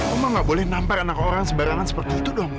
mama gak boleh nampar anak orang sebarangan seperti itu dong